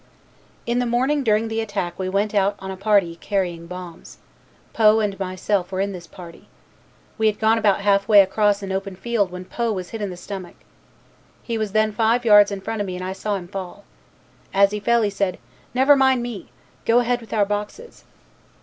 In the morning during the attack we went out on a party carrying bombs. Poe and myself were in this party. We had gone about half way across an open field when Poe was hit in the stomach. He was then five yards in front of me and I saw him fall. As he fell he said, 'Never mind me. Go ahead with our boxes.'